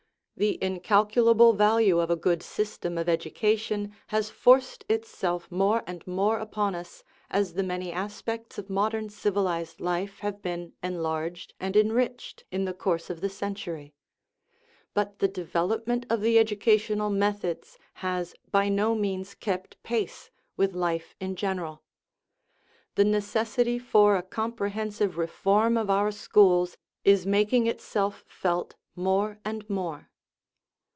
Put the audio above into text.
The incalculable value of a good system of education has forced itself more and more upon us as the many aspects of modern civilized life have been enlarged and enriched in the course of the century. But the devel opment of the educational methods has by no means kept pace with life in general. The necessity for a comprehensive reform of our schools is making itself felt more and more.